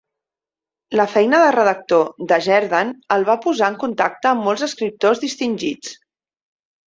La feina de redactor de Jerdan el va posar en contacte amb molts escriptors distingits.